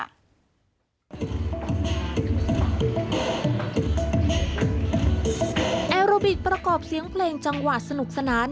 แอร์โรบิกประกอบเสียงเพลงจังหวะสนุกสนาน